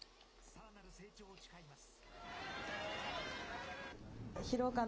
さらなる成長を誓います。